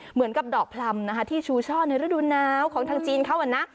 เหมือนกับดอกพลำนะคะที่ชูช่อในฤดูหนาวของทางจีนเขานะ